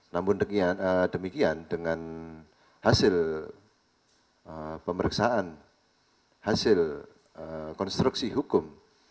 namun demikian dengan hasil pemeriksaan hasil konstruksi hukum